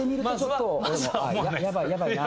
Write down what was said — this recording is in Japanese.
やばいやばいな。